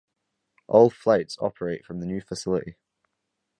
All flights operate from the new facility.